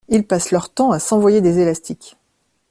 Ils passent leur temps à s'envoyer des élastiques.